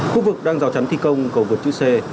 khu vực đang rào chắn thi công cầu vượt chữ c